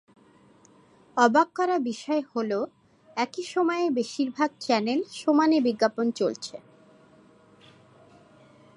অবাক করা বিষয় হলো, একই সময়ে বেশির ভাগ চ্যানেল সমানে বিজ্ঞাপন চলছে।